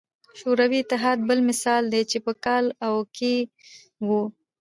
شوروي اتحاد بل مثال دی چې په کال او کې وو.